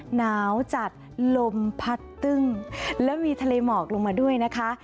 หนาวจัดลมพัดตึ้งแล้วมีทะเลหมอกลงมาด้วยนะคะ